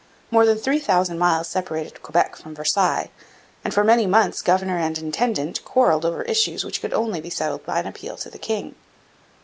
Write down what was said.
More than three thousand miles separated Quebec from Versailles, and for many months governor and intendant quarrelled over issues which could only be settled by an appeal to the king.